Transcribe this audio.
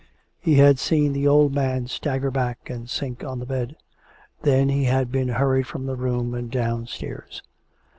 He had seen the old man stagger back and sink on the bed. Then he had been hurried from the room and downstairs.